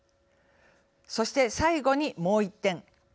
そして最後にもう１点。